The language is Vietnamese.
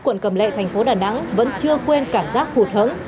quận cầm lệ thành phố đà nẵng vẫn chưa quên cảm giác hụt hẫng